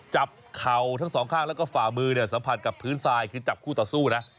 เข่าทั้งสองข้างแล้วก็ฝ่ามือเนี่ยสัมผัสกับพื้นทรายคือจับคู่ต่อสู้นะ